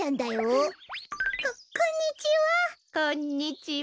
ここんにちは。